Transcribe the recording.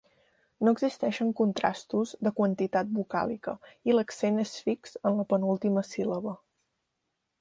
No existeixen contrastos de quantitat vocàlica i l'accent és fix en la penúltima síl·laba.